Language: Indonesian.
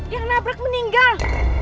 yang nabrak meninggal